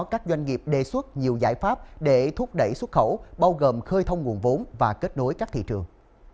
các doanh nghiệp đề xuất nhiều giải pháp để thúc đẩy xuất khẩu bao gồm khơi thông nguồn vốn và kết nối các thị trường